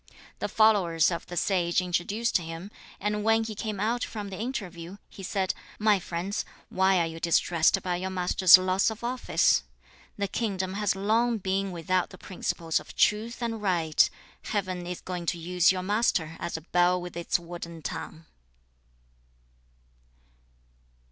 The followers of the sage introduced him, and when he came out from the interview, he said, 'My friends, why are you distressed by your master's loss of office? The kingdom has long been without the principles of truth and right; Heaven is going to use your master as a bell with its wooden tongue.'